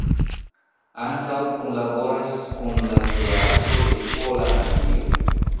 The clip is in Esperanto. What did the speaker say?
Ankaŭ kunlaboras kun la Teatro de Pola Radio.